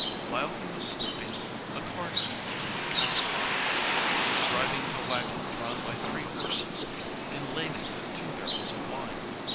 While he was sleeping a carter passed by, driving a waggon drawn by three horses, and laden with two barrels of wine.